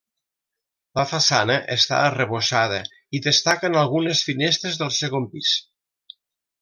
La façana està arrebossada i destaquen algunes finestres del segon pis.